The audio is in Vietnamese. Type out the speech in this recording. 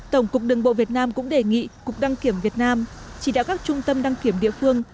tổng cục đường bộ việt nam cũng đề nghị cục đăng kiểm việt nam chỉ đạo các trung tâm đăng kiểm địa phương